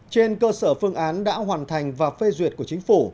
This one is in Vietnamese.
trên cơ sở phương án đã hoàn thành và phê duyệt của chính phủ